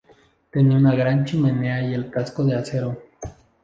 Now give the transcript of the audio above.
Tenía una gran chimenea y el casco de acero.